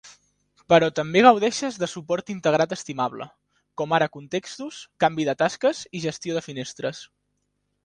Però també gaudeixes de suport integrat estimable, com ara contextos, canvi de tasques i gestió de finestres.